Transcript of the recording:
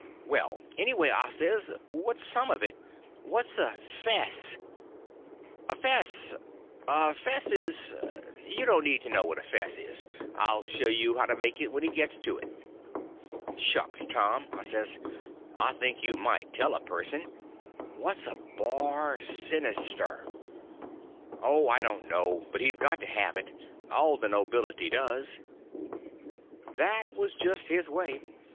"Well, anyway," I says, "what's some of it? What's a fess?" "A fess—a fess is—you don't need to know what a fess is. I'll show him how to make it when he gets to it." "Shucks, Tom," I says, "I think you might tell a person. What's a bar sinister?" "Oh, I don't know. But he's got to have it. All the nobility does." That was just his way.